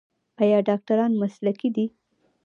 آیا ډاکټران مسلکي دي؟